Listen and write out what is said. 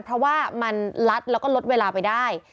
เพราะว่ามันลัดแล้วก็ลดเวลาไปได้